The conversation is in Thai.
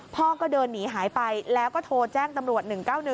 พ่อก็เดินหนีหายไปแล้วก็โทรแจ้งตำรวจ๑๙๑